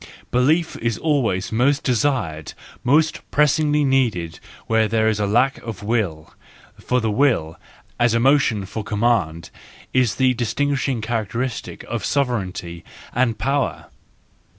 ... Belief is always most desired, most pressingly needed where there is a lack of will: for the will, as emotion of command, is the distin¬ guishing characteristic of sovereignty and power.